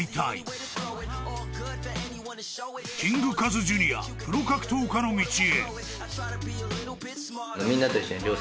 ［キングカズジュニアプロ格闘家の道へ］